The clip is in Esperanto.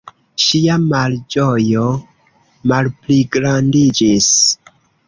Ŝia malĝojo malpligrandiĝis.